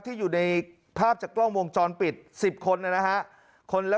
ที่อยู่ในภาพจากกล้องวงจรปิด๑๐คนนะฮะ